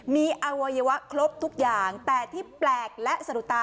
มีอวัยวะครบทุกอย่างแต่ที่แปลกและสะดุตา